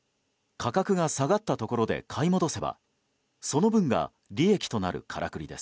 価格が下がったところで買い戻せばその分が利益となるからくりです。